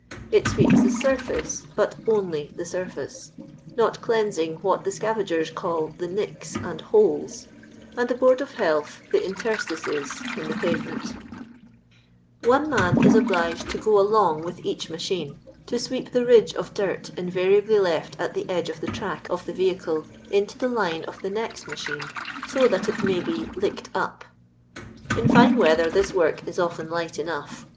It sweeps the surface, but only the surface ; not clean»ing what the scavagers call the "nicks" and ''holes," and the Board of Health the ''interstices," in the pavement One man is obliged to go along with each ma chine, to sweep the ridge of dirt invariably left at the edge of the track of the vehicle into the line of the next machine, so that it may be " lickod up." In fine weather this work is often light enough.